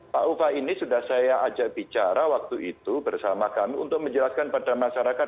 pak uva ini sudah saya ajak bicara waktu itu bersama kami untuk menjelaskan pada masyarakat